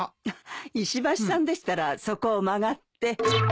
石橋さんでしたらそこを曲がって。